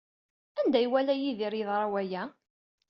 Anda ay iwala Yidir yeḍra waya?